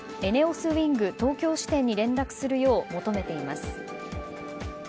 ウイング東京支店に連絡するよう求めています。